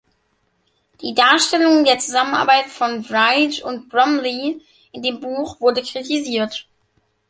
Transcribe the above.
Die Darstellung der Zusammenarbeit von Wright und Bromley in dem Buch wurde kritisiert.